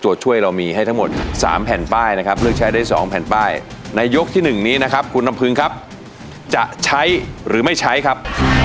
ตัวช่วยเรามีให้ทั้งหมด๓แผ่นป้ายนะครับเลือกใช้ได้๒แผ่นป้ายในยกที่๑นี้นะครับคุณลำพึงครับจะใช้หรือไม่ใช้ครับ